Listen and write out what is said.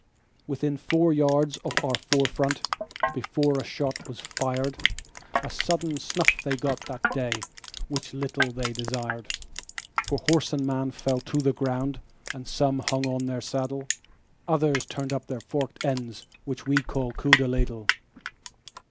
Within four yards of our fore front, before a shot was fired,A sudden snuff they got that day, which little they desired; For horse and man fell to the ground, and some hung on their saddle:Others turned up their forked ends, which we call coup de ladle.